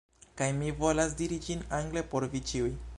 Kaj mi volas diri ĝin angle por vi ĉiuj.